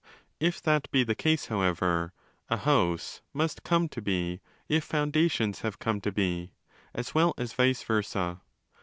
If that be the case, however, 'a house must come to be if foundations have come to be', as well as wice versa.